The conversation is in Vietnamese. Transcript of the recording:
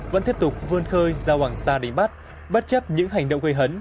vẫn tiếp tục vươn khơi ra hoàng sa đánh bắt bất chấp những hành động gây hấn